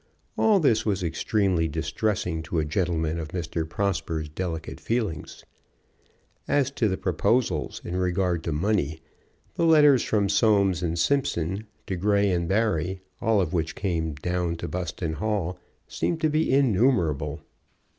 All this was extremely distressing to a gentleman of Mr. Prosper's delicate feelings. As to the proposals in regard to money, the letters from Soames & Simpson to Grey & Barry, all of which came down to Buston Hall, seemed to be innumerable.